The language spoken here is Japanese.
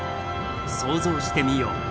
想像してみよう。